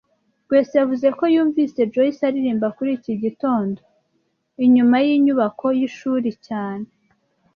Rwesa yavuze ko yumvise Joyce aririmba muri iki gitondo inyuma yinyubako yishuri cyane